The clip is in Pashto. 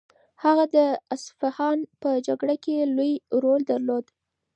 هغه د اصفهان په جګړه کې لوی رول درلود.